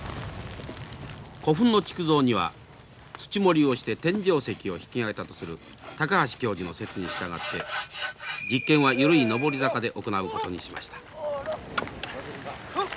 古墳の築造には土盛りをして天井石を引き上げたとする高橋教授の説に従って実験は緩い上り坂で行うことにしました。